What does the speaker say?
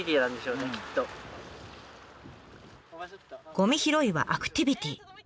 ゴミ拾いはアクティビティ！